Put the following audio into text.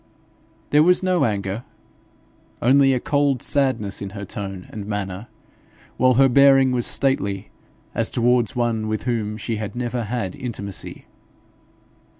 There was no anger, only a cold sadness in her tone and manner, while her bearing was stately as towards one with whom she had never had intimacy.